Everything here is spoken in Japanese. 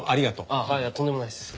あっいやとんでもないです。